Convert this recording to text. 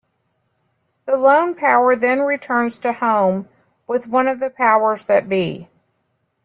The Lone Power then returns to "home" with one of the Powers That Be.